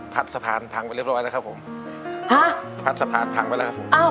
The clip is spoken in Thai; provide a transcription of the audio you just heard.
สะพานพังไปเรียบร้อยแล้วครับผมฮะพัดสะพานพังไปแล้วครับผม